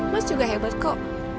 mas juga hebat kok